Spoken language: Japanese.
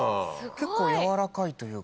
結構柔らかいというか。